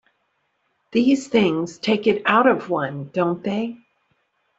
These things take it out of one, don't they?